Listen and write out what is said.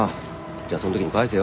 じゃあそんときに返せよ。